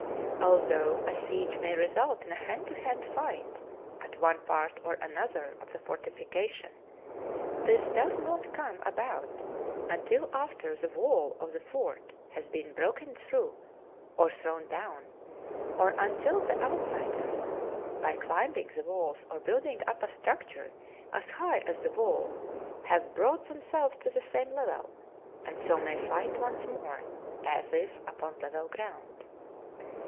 Al though a siege may result in a hand to hand fight at one part or another of the fortification, this does not come about until after the wall of the fort has been broken through or thrown down, or until the outsiders, by climbing the walls or building up a structure as high as the wall, have brought themselves to the same level, and so may fight once more as if upon level ground.